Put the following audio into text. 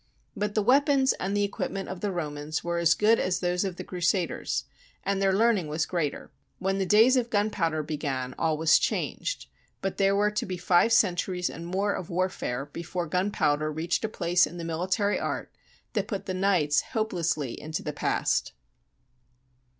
But the weapons and the equipment of the Ro mans were as good as those of the Crusaders, and their learning was greater. When the days of gun powder began, all was changed; but there were to be five centuries and more of warfare before gun powder reached a place in military art that put the knights hopelessly into the past.